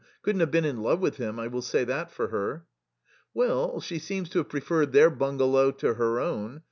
Couldn't have been in love with him, I will say that for her." "Well, she seems to have preferred their bungalow to her own.